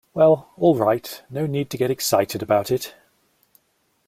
Well, all right, no need to get excited about it.